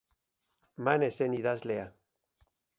Manex zen idazlea.